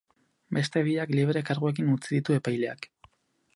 Beste biak libre karguekin utzi ditu epaileak.